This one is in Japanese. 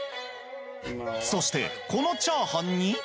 そしてこのチャーハンに！